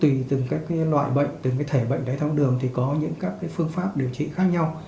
tùy từng các loại bệnh từng cái thể bệnh đai tháo đường thì có những các cái phương pháp điều trị khác nhau